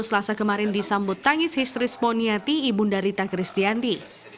selasa kemarin disambut tangis histeris ponyati ibunda rita crisdianti